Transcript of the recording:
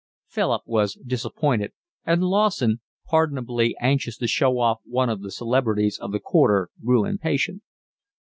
Philip was disappointed, and Lawson, pardonably anxious to show off one of the celebrities of the Quarter, grew impatient.